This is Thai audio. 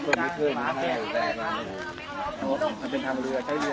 คนที่เคยทำเนื้อว่าแอร์่ีแบรนด์